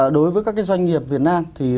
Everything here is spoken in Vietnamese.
đối với các doanh nghiệp việt nam thì